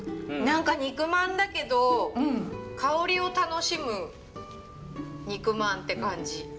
何か肉まんだけど香りを楽しむ肉まんって感じ。